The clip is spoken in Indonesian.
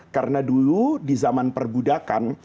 karena dulu di zaman perbudakan